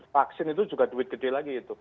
vaksin itu juga duit gede lagi itu